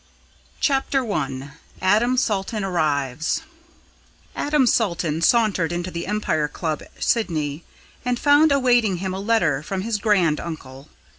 CHAPTER I ADAM SALTON ARRIVES Adam Salton sauntered into the Empire Club, Sydney, and found awaiting him a letter from his grand uncle.